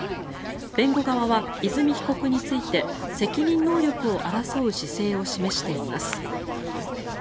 弁護側は和美被告について責任能力を争う姿勢を示しています。